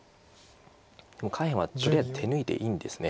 下辺はとりあえず手抜いていいんですね。